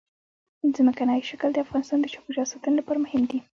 ځمکنی شکل د افغانستان د چاپیریال ساتنې لپاره مهم دي.